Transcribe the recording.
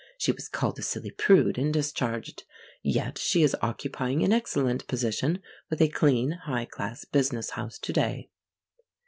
She was called a silly prude and discharged. Yet she is occupying an excellent position with a clean high class business house to day.